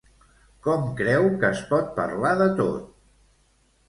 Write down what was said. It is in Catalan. Com creu que es pot parlar de tot?